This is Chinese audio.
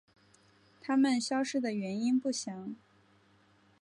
它们消失的原因不详。